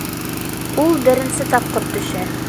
Ул беренсе тапкыр төшә